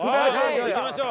いきましょう。